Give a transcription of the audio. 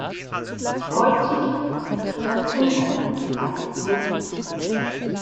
Heutzutage ist schon das Internet einbezogen.